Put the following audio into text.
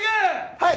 はい！